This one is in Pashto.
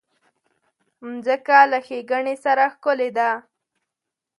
مځکه له ښېګڼې سره ښکلې ده.